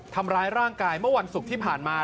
ทำร้ายร่างกายเมื่อวันศุกร์ที่ผ่านมา